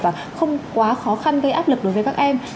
và không quá khó khăn gây áp lực đối với các em